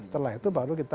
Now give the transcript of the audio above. setelah itu baru kita